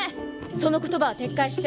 その言葉は撤回して。